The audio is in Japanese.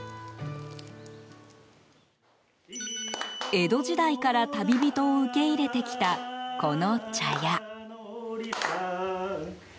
江戸時代から旅人を受け入れてきたこの茶屋。